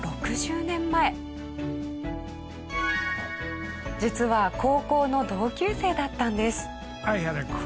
実は高校の同級生だったんです。